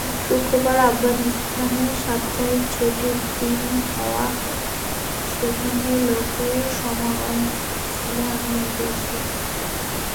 শুক্রবার আফগানিস্তানে সাপ্তাহিক ছুটির দিন হওয়ায় সেখানে লোকের সমাগম ছিল অনেক বেশি।